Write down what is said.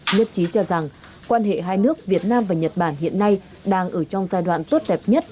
nhất trí cho rằng quan hệ hai nước việt nam và nhật bản hiện nay đang ở trong giai đoạn tốt đẹp nhất